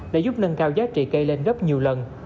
đã giúp nâng cao giá trị cây lên gấp nhiều lần